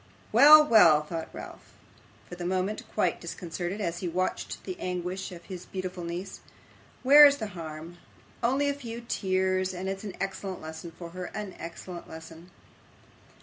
Well! Well!' thought Ralph for the moment quite disconcerted, as he watched the anguish of his beautiful niece. 'Where is the harm? only a few tears; and it's an excellent lesson for her, an excellent lesson.